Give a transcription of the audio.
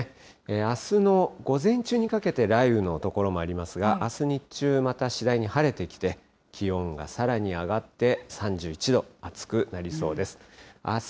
あすの午前中にかけて、雷雨の所もありますが、あす日中、また次第に晴れてきて、気温がさらに上がって、３１度、暑くなりそうです。